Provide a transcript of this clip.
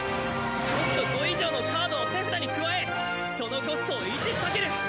コスト５以上のカードを手札に加えそのコストを１下げる！